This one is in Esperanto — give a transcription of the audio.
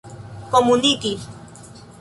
komuniki